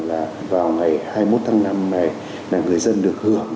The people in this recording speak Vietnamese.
là vào ngày hai mươi một tháng năm này là người dân được hưởng